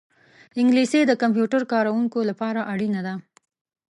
انګلیسي د کمپیوټر کاروونکو لپاره اړینه ده